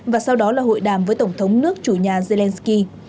và sau đó là hội đàm với tổng thống nước chủ nhà zelensky